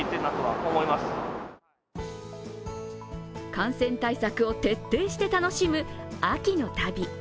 感染対策を徹底して楽しむ秋の旅。